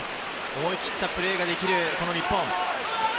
思い切ったプレーができる日本。